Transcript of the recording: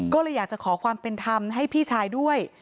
ก็เลยอยากจะขอความเป็นธรรมให้พี่ชายด้วย